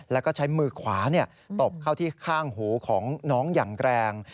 แล้วก็ใช้มือขวาตบเข้าที่ข้างหูของน้องอย่างแรง